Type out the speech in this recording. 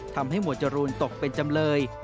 ทำให้หมวดจรุณตกเป็นจำเลย